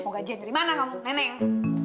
mau gajian dari mana kamu neneng